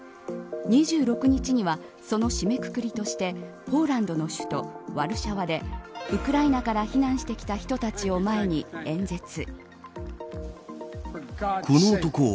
２６日にはその締めくくりとしてポーランドの首都、ワルシャワでウクライナから避難してきた人たちを前に演説。